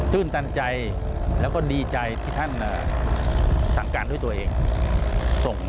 ื้นตันใจแล้วก็ดีใจที่ท่านสั่งการด้วยตัวเองส่ง